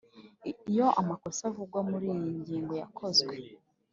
Iyo amakosa avugwa muri iyi ngingo yakozwe